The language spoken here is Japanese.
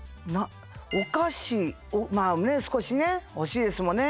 まあ少しね欲しいですもんね